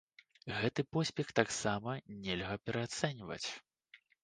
Гэты поспех таксама нельга пераацэньваць.